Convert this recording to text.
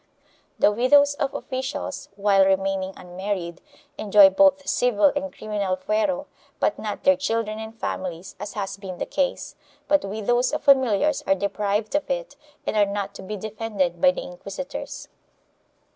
The widows of officials, while remaining unmarried, enjoy both civil and criminal fuero, but not their children and families as has been the case, but •widows of familiars are deprived of it and are not to be defended by the inquisitors.